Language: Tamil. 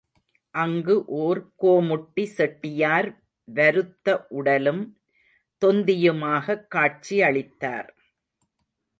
அங்கு ஒரு கோமுட்டி செட்டியார் வருத்த உடலும், தொந்தியுமாகக் காட்சியளித்தார்.